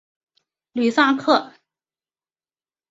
吕萨克。